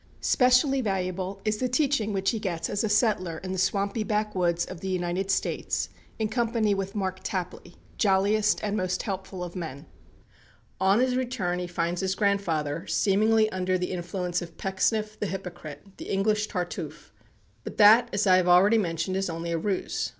Specially valuable is the teaching which he gets as a settler in the swampy backwoods of the United States in company with Mark Tapley, jolliest and most helpful of men. On his return, he finds his grandfather seemingly under the influence of Pecksniff, the hypocrite, the English Tartuffe. But that, as I have already mentioned, is only a ruse.